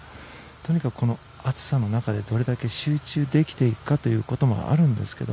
とにかくこの暑さの中でどれだけ集中できていくかということもあるんですけど